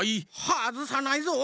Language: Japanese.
はずさないぞ！